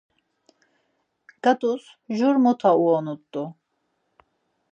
Ǩat̆us jur mota uyonut̆u.